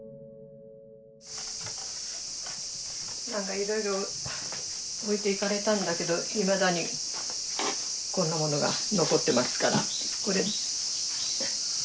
なんかいろいろ置いていかれたんだけどいまだにこんなものが残ってますからこれ。